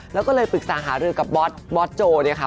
แล้วก็เลยปรึกษาหารือกับบอสบอสโจเนี่ยค่ะ